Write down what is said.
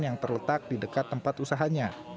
yang terletak di dekat tempat usahanya